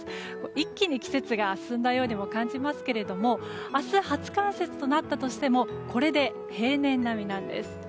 一気に季節が進んだようにも感じますけれども明日、初冠雪となったとしてもこれで平年並みなんです。